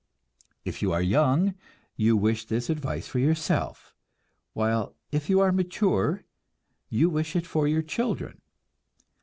If you are young, you wish this advice for yourself; while if you are mature, you wish it for your children.